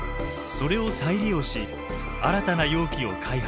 それを再利用し新たな容器を開発。